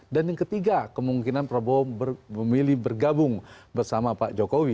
yang ketiga kemungkinan prabowo memilih bergabung bersama pak jokowi